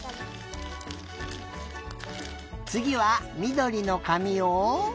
つぎはみどりのかみを。